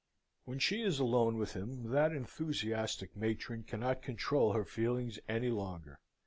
When she is alone with him, that enthusiastic matron cannot control her feelings any longer.